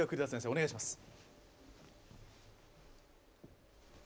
お願いします。